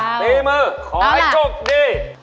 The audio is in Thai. มาตีมือขอให้โจ๊กดี